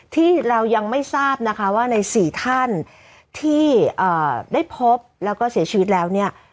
ที่เรายังไม่ทราบนะคะว่าใน๔ท่านที่ได้พบแล้วก็เสียชีวิตแล้วเนี่ย